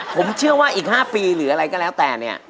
ผมเชื่อว่าอีก๕ปีหรืออะไรก็แล้วแต่เนี่ย